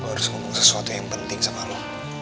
kursus sesuatu yang penting sama lo